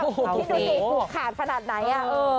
พี่หน่อยผูกขาดขนาดไหนอะ